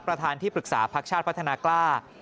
ประธานที่ปรึกษาพักชาติพัฒนากล้า